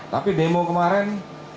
tapi demo kemarin